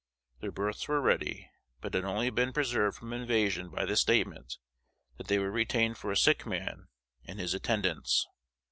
Their berths were ready, but had only been preserved from invasion by the statement, that they were retained for a sick man and his attendants.